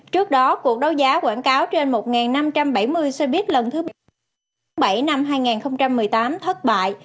trước đó cuộc đấu giá quảng cáo trên một năm trăm bảy mươi xe buýt lần thứ bảy năm hai nghìn một mươi tám thất bại